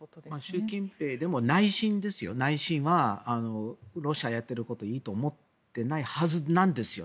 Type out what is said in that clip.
習近平でも内心はロシアがやってることはいいと思ってないはずなんですよ。